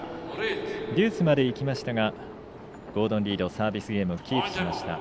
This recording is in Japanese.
デュースまでいきましたがゴードン・リードサービスゲームをキープしました。